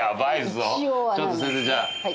ちょっと先生じゃあ。